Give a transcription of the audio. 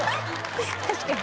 確かに。